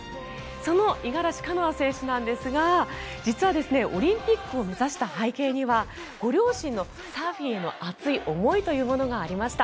その五十嵐カノア選手なんですが実は、オリンピックを目指した背景にはご両親のサーフィンへの熱い思いというものがありました。